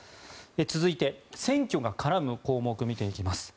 続いて選挙が絡む項目を見ていきます。